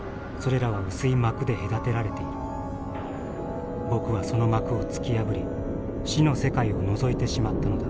僕はその膜を突き破り死の世界をのぞいてしまったのだ」。